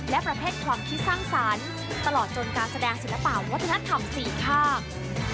และประเภทความคิดสร้างสรรค์ตลอดจนการแสดงศิลปะวัฒนธรรม๔ภาค